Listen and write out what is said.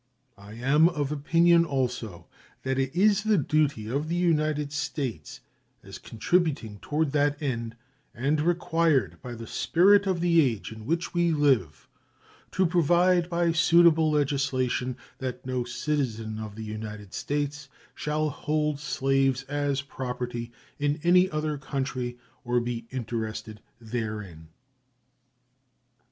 I am of opinion also that it is the duty of the United States, as contributing toward that end, and required by the spirit of the age in which we live, to provide by suitable legislation that no citizen of the United States shall hold slaves as property in any other country or be interested therein.